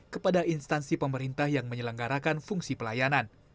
kepada instansi pemerintah yang menyelenggarakan fungsi pelayanan